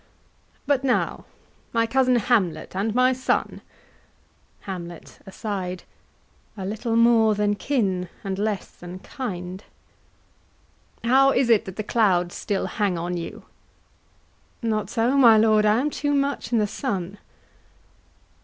But now, my cousin Hamlet, and my son— HAMLET. [Aside.] A little more than kin, and less than kind. KING. How is it that the clouds still hang on you? HAMLET. Not so, my lord, I am too much i' the sun.